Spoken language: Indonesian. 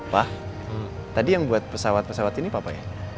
pa tadi yang buat pesawat pesawat ini papa ya